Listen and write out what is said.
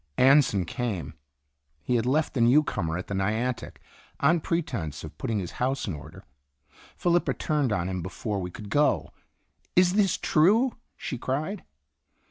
Anson came. He had left the new comer at the Niantic, on pretense of putting his house in order. Felipa turned on him before we could go. " Is this true ?" she cried.